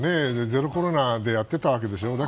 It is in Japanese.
ゼロコロナでやってたわけでしょ。